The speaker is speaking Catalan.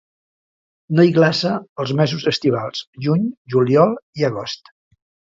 No hi glaça els mesos estivals: juny, juliol i agost.